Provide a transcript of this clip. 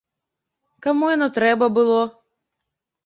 Каму яно трэба было?